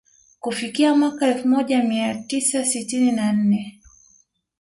Kufikia mwaka elfu moja mia tisa sitini na nne